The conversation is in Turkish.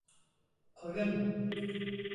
Koyun…